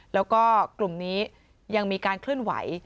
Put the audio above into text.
แล้วก็กลุ่มนี้ยังมีการเคลื่อนไหว